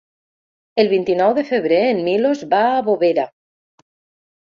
El vint-i-nou de febrer en Milos va a Bovera.